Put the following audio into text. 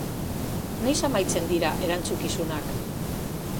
Noiz amaitzen dira erantzukizunak?